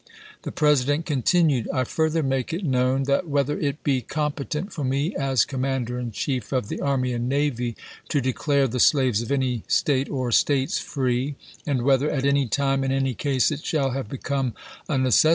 The President continued: "I further make it known that whether it be competent for me, as Commander in Chief of the Army and Navy, to declare the slaves of any State or States free, and whether at SIGNS OF THE TIMES 95 any time, in any case it shall have become a neces chap.